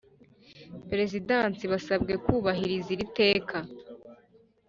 Perezidansi basabwe kubahiriza iri teka